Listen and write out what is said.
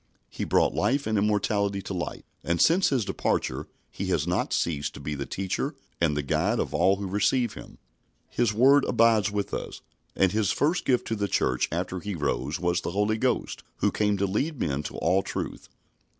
He brought life and immortality to light, and since His departure He has not ceased to be the Teacher and the Guide of all who receive Him. His word abides with us, and His first gift to the Church after He rose was the Holy Ghost, who came to lead men to all truth.